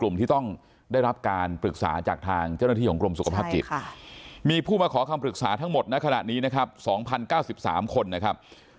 มีผู้มาขอความปรึกษาทั้งหมดนะขนาดนี้นะครับ๒๐๙๓คนนะครับ